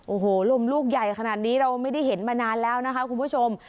โอ้โหลมลูกใหญ่ขนาดนี้เราไม่ได้เห็นมานานแล้วนะคะคุณผู้ชม